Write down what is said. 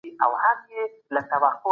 که تاريخ هېر کړو نو خپله لاره ورکوو.